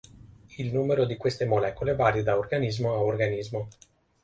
Il numero di queste molecole varia da organismo a organismo.